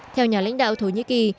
theo nhà lãnh đạo thổ nhĩ kỳ